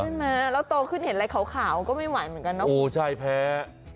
มาแล้วโตขึ้นเห็นอะไรขาวขาวก็ไม่ไหวเหมือนกันเนอะโอ้ใช่แพ้